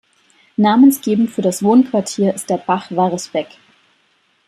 Namensgebend für das Wohnquartier ist der Bach Varresbeck.